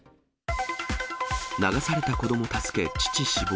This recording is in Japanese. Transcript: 流された子ども助け父死亡。